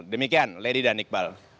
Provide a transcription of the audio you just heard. demikian lady danikbal